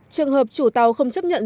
trường hợp chủ tàu không chấp nhận